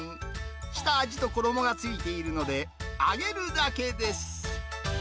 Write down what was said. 下味と衣が付いているので、揚げるだけです。